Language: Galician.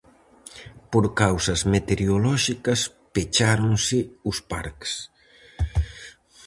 Por causas meteorolóxicas, pecháronse os parques.